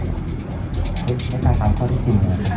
ไม่ตามความทรัพย์ที่กินก่อนเนอะ